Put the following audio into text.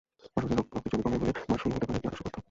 পাশাপাশি রক্তের চর্বি কমায় বলে মাশরুম হতে পারে একটি আদর্শ পথ্য।